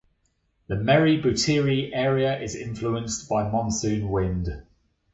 The Meru Betiri area is influenced by monsoon wind.